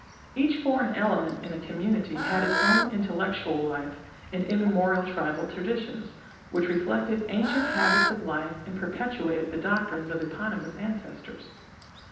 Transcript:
Each foreign element in a community had its own intellectual life and immemorial tribal traditions, which reflected ancient habits of life and perpetuated the doctrines of eponymous ancestors.